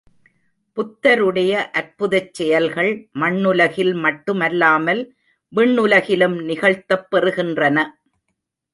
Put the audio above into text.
புத்தருடைய அற்புதச் செயல்கள் மண்ணுலகில் மட்டுமல்லாமல் விண்ணுலகிலும் நிகழ்த்தப்பெறுகின்றன.